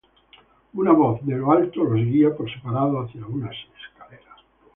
Una voz de lo alto los guía por separado hacia unas escaleras.